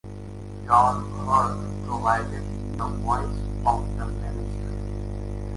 John Hurt provided 'The Voice of The Ministry'.